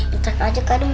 bentar aja karim